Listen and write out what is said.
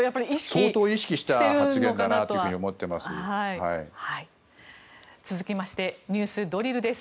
相当意識した発言かなと思っています。